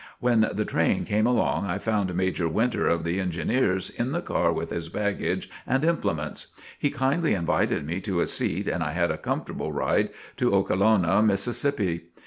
When the train came along I found Major Winter, of the Engineers, in the car with his baggage and implements. He kindly invited me to a seat and I had a comfortable ride to Okalona, Mississippi.